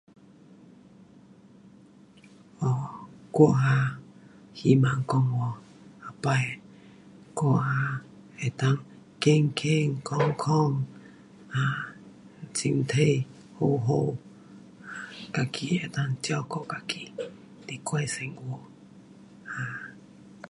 哦，我啊，希望讲哦，后次我啊，能够健健康康，啊，身体好好，啊，自己能够照顾自己，来过生活。啊，